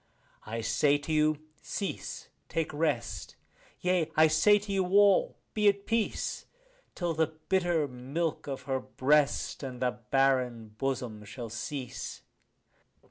I say to you, cease, take rest; yea, I say to you all, be at peace, Till the bitter milk of her breast and the barren bosom shall cease.